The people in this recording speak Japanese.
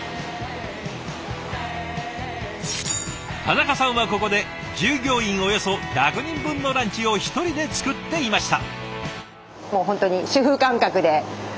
田中さんはここで従業員およそ１００人分のランチを１人で作っていました。